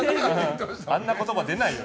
あんな言葉でないよ。